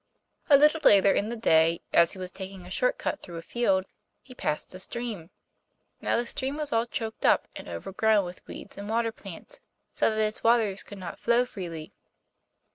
A little later in the day, as he was taking a short cut through a field, he passed a stream. Now the stream was all choked up, and overgrown with weeds and water plants, so that its waters could not flow freely.